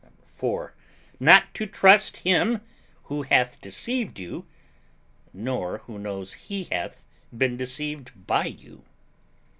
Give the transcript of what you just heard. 4. Not to trust him who hath deceived you, nor who knows he hath been deceived by you.